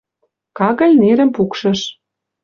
Кагыль нерӹм пукшыш.